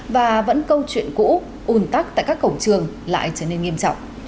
và vẫn câu chuyện cũ un tắc tại các cổng trường lại trở nên nghiêm trọng